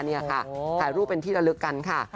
นี่ค่ะถ่ายรูปเป็นที่ระลึกกันค่ะ